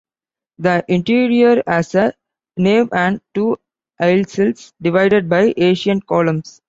The interior has a nave and two aisles, divided by ancient columns.